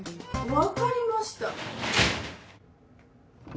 わかりました。